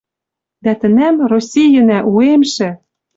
Дӓ тӹнӓм Российӹнӓ уэмшӹ